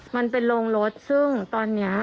มันเป็นโรงรถซึ่งตอนนี้